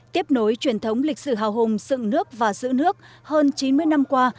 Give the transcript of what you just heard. tiếp nối truyền thống lịch sử hào hùng dựng nước và giữ nước hơn chín mươi năm qua